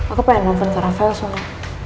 aku pengen telepon ke rafael semua